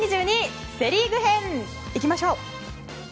セ・リーグ編いきましょう！